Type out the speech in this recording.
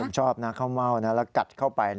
ผมชอบนะข้าวเม่านะแล้วกัดเข้าไป